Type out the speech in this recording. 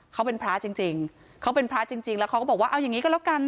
เขาเป็นพระจริงจริงเขาเป็นพระจริงจริงแล้วเขาก็บอกว่าเอาอย่างนี้ก็แล้วกัน